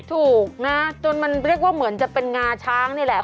ถูกนะจนมันเรียกว่าเหมือนจะเป็นงาช้างนี่แหละ